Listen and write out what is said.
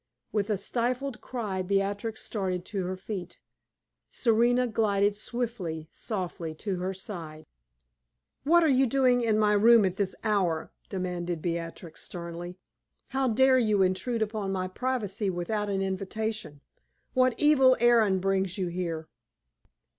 With a stifled cry Beatrix started to her feet. Serena glided swiftly, softly to her side. "What are you doing in my room at this hour?" demanded Beatrix, sternly. "How dare you intrude upon my privacy without an invitation? What evil errand brings you here?"